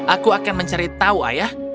aku akan mencari tahu ayah